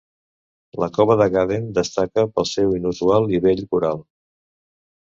La cova de Gaden destaca pel seu inusual i bell corall.